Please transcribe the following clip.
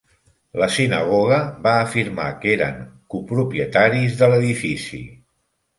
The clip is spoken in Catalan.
La sinagoga va afirmar que eren copropietaris de l'edifici.